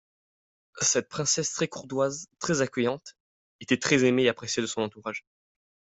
Cette Princesse très courtoise, très accueillante était très aimée et apprécié de son entourage.